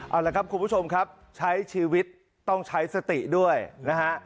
เอาละครับคุณผู้ชมครับใช้ชีวิตต้องใช้สติด้วยนะฮะ